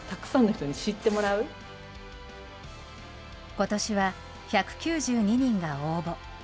ことしは１９２人が応募。